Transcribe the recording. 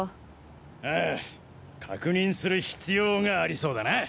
ああ確認する必要がありそうだな。